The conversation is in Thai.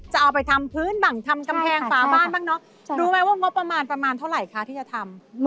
จะเอาไปทำพื้นบังทำกำแพงฝาบ้านบ้างเนอะรู้ไหมว่างบประมาณประมาณเท่าไหร่คะที่จะทำ